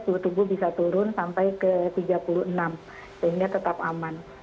suhu tubuh bisa turun sampai ke tiga puluh enam sehingga tetap aman